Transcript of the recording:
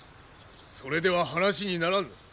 それでは話にならぬ。